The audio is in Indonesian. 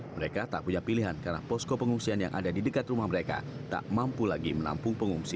mereka tak punya pilihan karena posko pengungsian yang ada di dekat rumah mereka tak mampu lagi menampung pengungsi